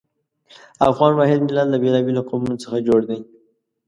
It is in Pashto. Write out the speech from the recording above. افغان واحد ملت له بېلابېلو قومونو څخه جوړ دی.